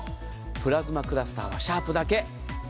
プラズマクラスターはシャープだけ。